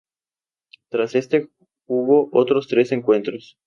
Tras este jugó otros tres encuentros.